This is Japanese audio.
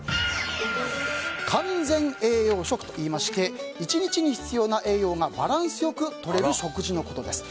完全栄養食といいまして１日に必要な栄養がバランス良く取れる食事のことです。